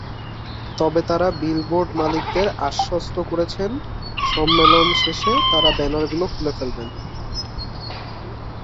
তবে তাঁরা বিলবোর্ড মালিকদের আশ্বস্ত করেছেন, সম্মেলন শেষে তাঁরা ব্যানারগুলো খুলে ফেলবেন।